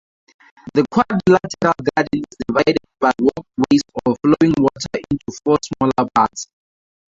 The quadrilateral garden is divided by walkways or flowing water into four smaller parts.